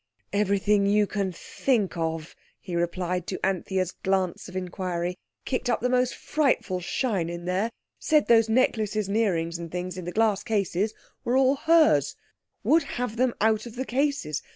"Everything you can think of," he replied to Anthea's glance of inquiry. "Kicked up the most frightful shine in there. Said those necklaces and earrings and things in the glass cases were all hers—would have them out of the cases.